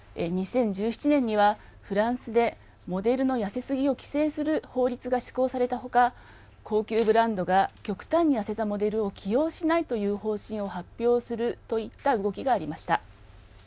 ２０１７年には、フランスでモデルの痩せすぎを規制する法律が施行されたほか高級ブランドが極端に痩せたモデルを起用しないという方針を発表するといった動きがありました。